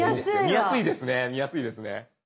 見やすいですね見やすいですね。